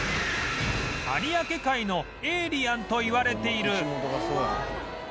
有明海のエイリアンといわれている